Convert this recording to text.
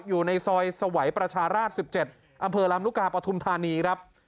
อยู่ในซอยสวัยประชาราช๑๗อำเภอลำลูกกาปฐุมธานีครับ